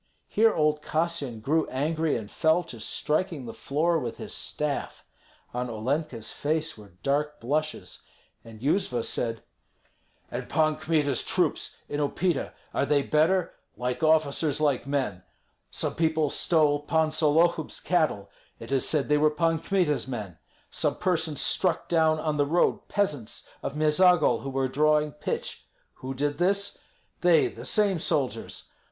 Here old Kassyan grew angry, and fell to striking the floor with his staff. On Olenka's face were dark blushes, and Yuzva said, "And Pan Kmita's troops in Upita, are they better? Like officers, like men. Some people stole Pan Sollohub's cattle; it is said they were Pan Kmita's men. Some persons struck down on the road peasants of Meizagol who were drawing pitch. Who did this? They, the same soldiers.